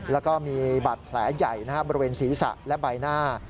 แล้วก็มีบาดแผลใหญ่บริเวณศีรษะและใบหน้า